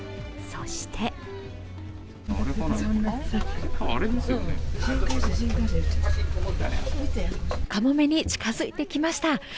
そしてかもめに近づいてきました。